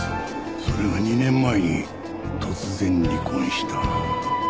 それが２年前に突然離婚した。